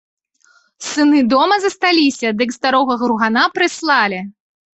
Сыны дома засталіся, дык старога гругана прыслалі!